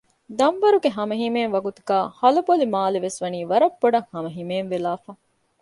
ދަންވަރުގެ ހަމަ ހިމޭން ވަގުތުގައި ހަލަބޮލި މާލެ ވެސް ވަނީ ވަރައް ބޮޑައް ހަމަހިމޭނެ ވެލާފަ